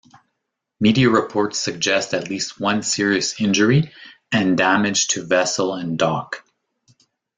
Media reports suggest at least one serious injury, and damage to vessel and dock.